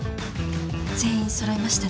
全員揃いましたね。